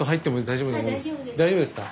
大丈夫ですか？